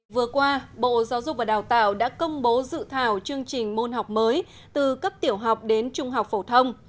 vừa qua bộ giáo dục và đào tạo đã công bố dự thảo chương trình môn học mới từ cấp tiểu học đến trung học phổ thông